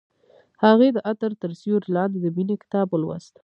هغې د عطر تر سیوري لاندې د مینې کتاب ولوست.